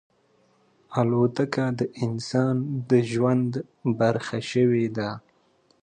الوتکه د انسان د ژوند برخه شوې ده.